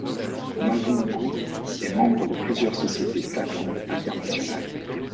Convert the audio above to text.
Mavoungou est membre de plusieurs sociétés savantes internationales.